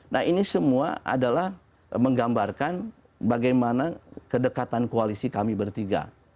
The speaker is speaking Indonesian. nah ini semua adalah menggambarkan bagaimana kedekatan koalisi kami bertiga